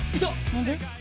何で？」